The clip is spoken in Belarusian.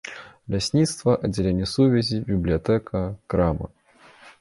Лясніцтва, аддзяленне сувязі, бібліятэка, крама.